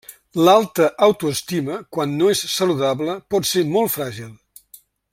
L'alta autoestima, quan no és saludable, pot ser molt fràgil.